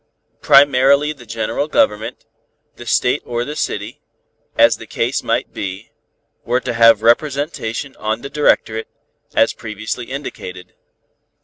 Primarily the general Government, the state or the city, as the case might be, were to have representation on the directorate, as previously indicated.